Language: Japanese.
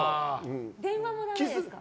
電話もだめですか？